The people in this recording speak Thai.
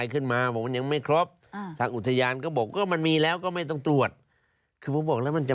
คือสมมุติเนี่ยสิ่งที่ท่านสีเวลาให้พนักงานสนไปตรวจ